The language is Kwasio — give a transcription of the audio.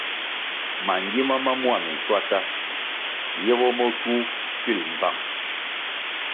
Mangima ma mua minschuasa ye bo mo kywu pil mbvang.